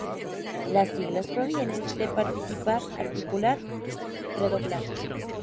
Las siglas provienen de Participar, Articular, Redoblar.